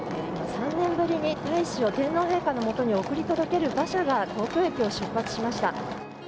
３年ぶりに大使を天皇陛下のもとに送り届ける馬車が東京駅を出発しました。